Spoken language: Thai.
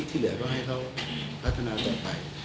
ที่เหลือก็ให้เขาพัฒนาต่อไป